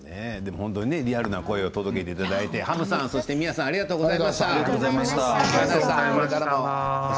リアルな声を届けていただいてハムさん、みやさんありがとうございます。